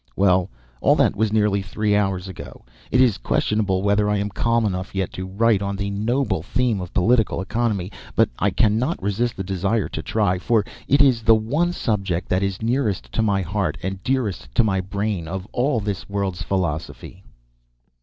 Well, all that was nearly three hours ago. It is questionable whether I am calm enough yet to write on the noble theme of political economy, but I cannot resist the desire to try, for it is the one subject that is nearest to my heart and dearest to my brain of all this world's philosophy.